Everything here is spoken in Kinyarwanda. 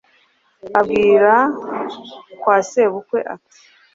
abwira kwa sebukwe ati “